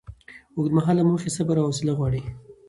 اوږدمهاله موخې صبر او حوصله غواړي.